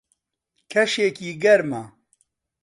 کەشێکی گەرمە.